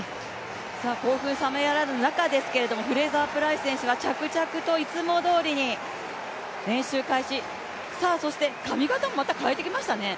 興奮冷めやらぬ中ですけれどもフレイザープライス選手は着々といつもどおりに練習開始、そして髪形も、また変えてきましたね。